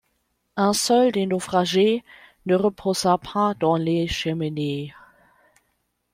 Un seul des naufragés ne reposa pas dans les Cheminées